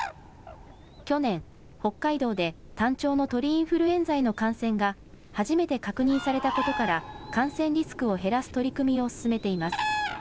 去年、北海道でタンチョウの鳥インフルエンザへの感染が初めて確認されたことから感染リスクを減らす取り組みを進めています。